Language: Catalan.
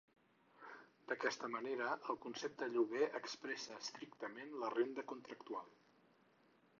D'aquesta manera el concepte lloguer expressa estrictament la renda contractual.